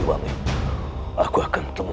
yang mengarahkan dirimu